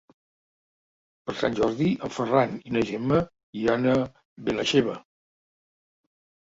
Per Sant Jordi en Ferran i na Gemma iran a Benaixeve.